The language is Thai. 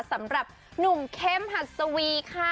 สำหรับหนุ่มเข้มหัดสวีค่ะ